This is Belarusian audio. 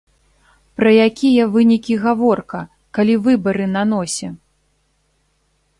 Пра якія вынікі гаворка, калі выбары на носе!